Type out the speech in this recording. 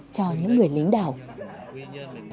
cho những người đàn ông